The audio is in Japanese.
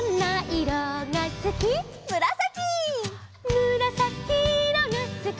「むらさきいろがすき」